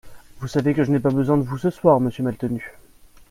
Vous savez que je n’ai pas besoin de vous, ce soir, Monsieur Maltenu…